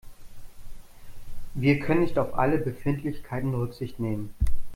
Wir können nicht auf alle Befindlichkeiten Rücksicht nehmen.